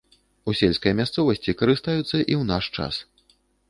У сельскай мясцовасці карыстаюцца і ў наш час.